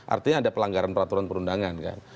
artinya ada pelanggaran peraturan perundangan kan